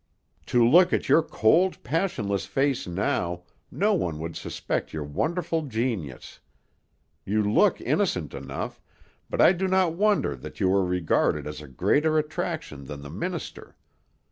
To look at your cold, passionless face now, no one would suspect your wonderful genius. You look innocent enough, but I do not wonder that you are regarded as a greater attraction than the minister.